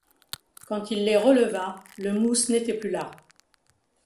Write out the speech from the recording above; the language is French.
Quand il les releva, le mousse n’était plus là.